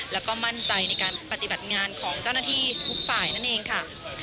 แล้วก็มั่นใจในการปฏิบัติงานของเจ้าหน้าที่ทุกฝ่ายนั่นเองค่ะ